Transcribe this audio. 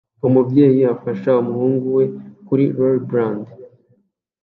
Umubyeyi afasha umuhungu we kuri Rollerblade